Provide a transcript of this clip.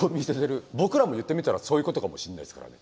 僕らも言ってみたらそういうことかもしんないすからね。